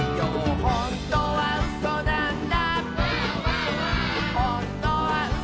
「ほんとにうそなんだ」